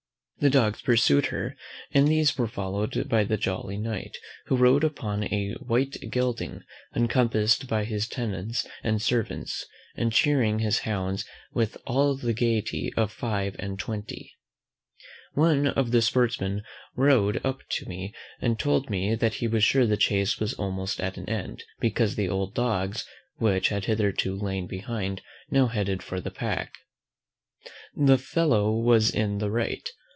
The dogs pursued her, and these were followed by the jolly Knight, who rode upon a white gelding, encompassed by his tenants and servants, and chearing his hounds with all the gaiety of five and twenty. One of the sportsmen rode up to me, and told me that he was sure the chace was almost at an end, because the old dogs, which had hitherto lain behind, now headed the pack. The fellow was in the right.